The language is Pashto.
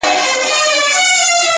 پر محراب به مي د زړه هغه امام وي,